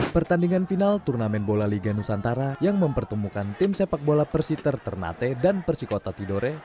pertandingan final turnamen bola liga nusantara yang mempertemukan tim sepak bola persiter ternate dan persikota tidore